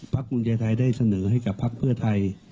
ปรักษณุนียไทยได้เสนอให้กับปรักษ์เพื่อไทย